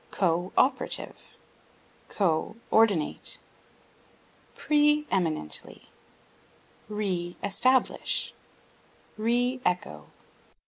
Co operative; co ordinate; pre eminently; re establish; re echo.